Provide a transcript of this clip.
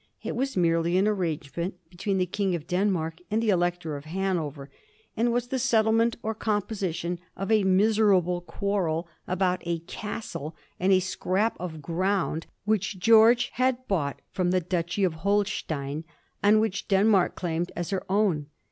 It was merely an arrangement between the King of Den mark and the Elector of Hanover, and was the settlement or composition of a miserable quarrel about a castle and a scrap of ground which George had bought from the Duchy of Holstein, and which Denmark claimed as her own.'